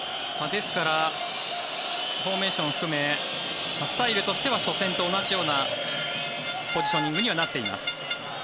ですからフォーメーションを含めスタイルとしては初戦と同じようなポジショニングにはなっています。